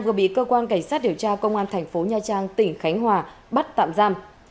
vừa bị cơ quan cảnh sát điều tra công an tp nha trang tỉnh khánh hòa bắt tạm giam